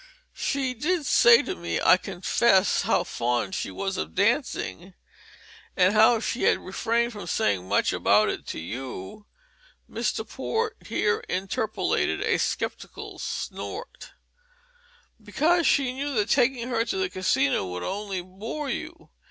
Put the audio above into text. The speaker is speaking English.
"She did say to me, I confess, how fond she was of dancing, and how she had refrained from saying much about it to you" Mr. Port here interpolated a sceptical snort "because she knew that taking her to the Casino would only bore you.